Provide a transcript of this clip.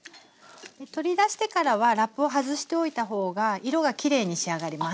取り出してからはラップを外しておいた方が色がきれいに仕上がります。